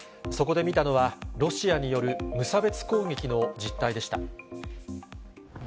そこで見たのは、ロシアによる無差別攻撃の実態でした。